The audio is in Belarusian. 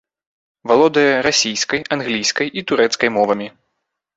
Валодае расійскай, англійскай і турэцкай мовамі.